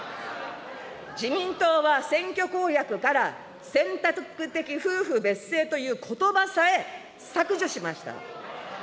自民党は選挙公約から選択的夫婦別姓ということばさえ削除しました。